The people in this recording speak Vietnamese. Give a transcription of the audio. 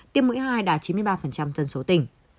tiêm mũi hai đạt chín mươi ba dân số tỉnh